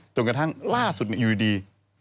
จนกระทั่งล่าสุดอยู่ดี